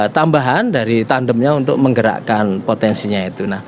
tambahan dari tandemnya untuk menggerakkan potensinya itu